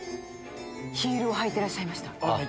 ヒールを履いてらっしゃいました。